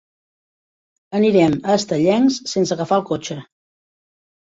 Anirem a Estellencs sense agafar el cotxe.